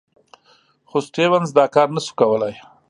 خو سټیونز دا کار نه شو کولای.